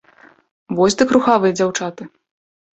Вось дык рухавыя дзяўчаты.